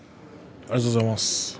ありがとうございます。